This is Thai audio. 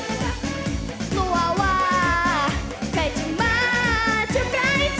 กลัวว่าใครจะมาเธอใครเจอ